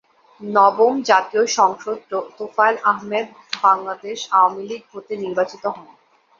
নবম জাতীয় সংসদ তোফায়েল আহমেদ বাংলাদেশ আওয়ামী লীগ হতে নির্বাচিত হন।